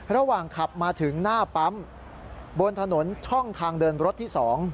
ระหว่างขับมาถึงหน้าปั๊มบนถนนช่องทางเดินรถที่๒